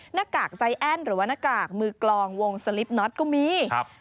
หน้ากากใจแอ้นหรือว่าหน้ากากมือกลองวงสลิปน็อตก็มีครับ